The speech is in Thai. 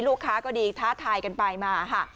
ลูกค้าก็ดีท้าทายกันไปมาค่ะ